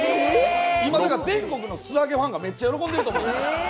今だから全国の素揚げファンがめっちゃ喜んでると思うんですよ。